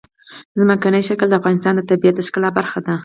ځمکنی شکل د افغانستان د طبیعت د ښکلا برخه ده.